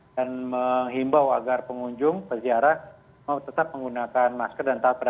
dan mengimbau agar pengunjung berziarah tetap menggunakan masker dan tetap berperangkat sehatan